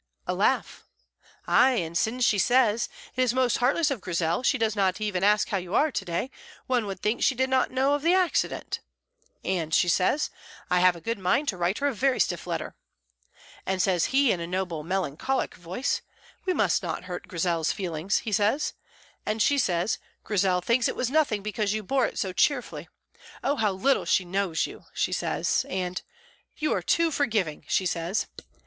"A laugh!" "Ay, and syne she says, 'It is most heartless of Grizel; she does not even ask how you are to day; one would think she did not know of the accident'; and she says, 'I have a good mind to write her a very stiff letter.' And says he in a noble, melancholic voice, 'We must not hurt Grizel's feelings,' he says. And she says, 'Grizel thinks it was nothing because you bore it so cheerfully; oh, how little she knows you!' she says; and 'You are too forgiving,' she says.